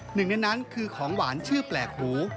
หนึ่งในนั้นคือของหวานชื่อแปลกหู